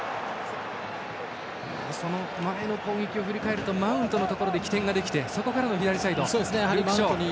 その前の攻撃を振り返るとマウントで起点ができてそこからの左サイド、ルーク・ショー。